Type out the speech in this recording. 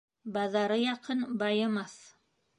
Баҙары яҡын байымаҫ.